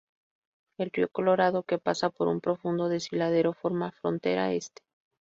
El río Colorado, que pasa por un profundo desfiladero, forma la frontera Este.